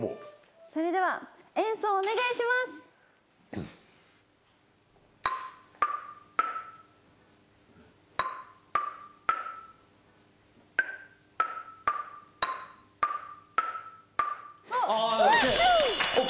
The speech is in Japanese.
それでは演奏お願いします。ＯＫ？